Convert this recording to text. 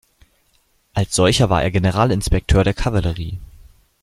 Als solcher war er Generalinspekteur der Kavallerie.